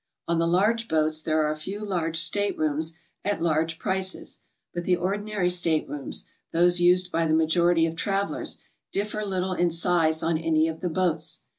On the large boats there are a few large staterooms at large prices, but the ordinary state rooms, those used by the majority of travelers, differ little in size on any of the boats.